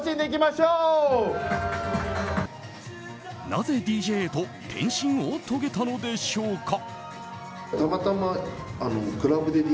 なぜＤＪへと転身を遂げたのでしょうか。